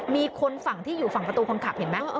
มีคนฝั่งที่อยู่ฝั่งประตูคนขับเห็นไหม